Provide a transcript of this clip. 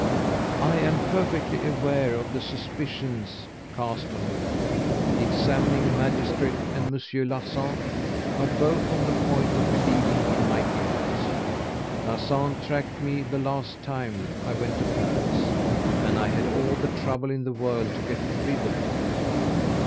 I am perfectly aware of the suspicions cast on me. The examining magistrate and Monsieur Larsan are both on the point of believing in my guilt. Larsan tracked me the last time I went to Paris, and I had all the trouble in the world to get rid of him.